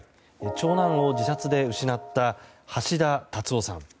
長男を自殺で失った橋田達夫さん。